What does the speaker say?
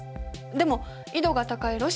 でも緯度が高い